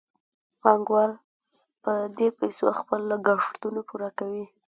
پانګوال په دې پیسو خپل لګښتونه پوره کوي